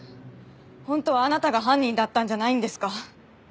本当はあなたが犯人だったんじゃないんですか？